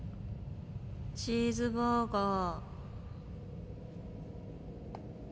チーズバーガー。